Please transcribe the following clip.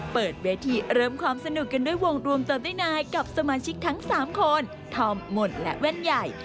เปิดเวทีเริ่มความสนุกกันด้วยวงรวมเติมด้วยนายกับสมาชิกทั้ง๓คนธอมหมดและแว่นใหญ่